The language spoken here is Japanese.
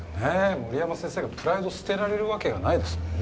森山先生がプライド捨てられるわけがないですもんね。